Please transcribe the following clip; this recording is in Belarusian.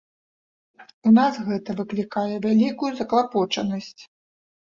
У нас гэта выклікае вялікую заклапочанасць.